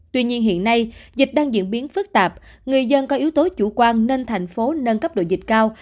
tuy nhiên hiện nay dịch đang diễn biến phức tạp người dân có yếu tố chủ quan nên thành phố nâng cấp độ dịch cao